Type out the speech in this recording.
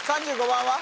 ３５番は？